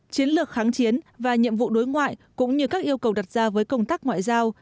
chiến lược kháng chiến và nhiệm vụ đối ngoại cũng như các yêu cầu đặt ra với công tác ngoại giao